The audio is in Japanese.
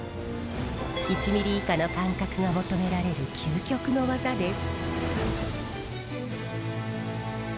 １ミリ以下の感覚が求められる究極の技です。